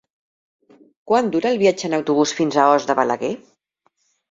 Quant dura el viatge en autobús fins a Os de Balaguer?